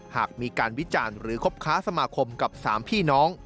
หากมีการวิจารณ์หรือคบค้าสมาคมกับ๓พี่น้อง